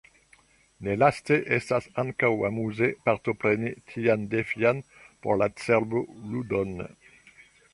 Nelaste estas ankaŭ amuze, partopreni tian defian por la cerbo ludon.